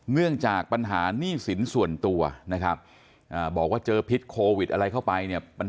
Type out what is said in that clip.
เนื่องจากปัญหาหนี้สินส่วนตัวนะครับบอกว่าเจอพิษโควิดอะไรเข้าไปเนี่ย